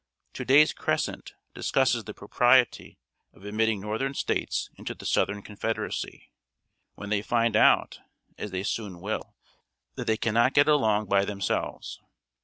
To day's Crescent discusses the propriety of admitting northern States into the Southern Confederacy, "when they find out, as they soon will, that they can not get along by themselves."